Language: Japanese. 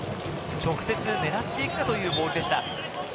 直接狙っていくかというボールでした。